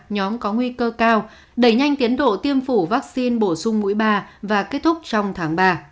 nhóm có nguy cơ cao đẩy nhanh tiến độ tiêm phủ vaccine bổ sung mũi ba và kết thúc trong tháng ba